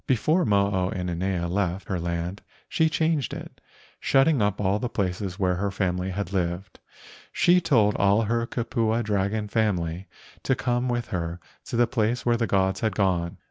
Before Mo o inanea left her land she changed it, shutting up all the places where her family THE MAID OF THE GOLDEN CLOUD 149 had lived. She told all her kupua dragon family to come with her to the place where the gods had gone.